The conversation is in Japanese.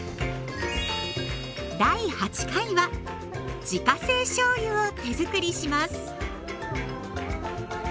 第８回は自家製しょうゆを手づくりします。